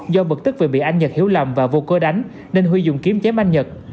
do bực tức vì bị anh nhật hiểu lầm và vô cơ đánh nên huy dùng kiếm chém anh nhật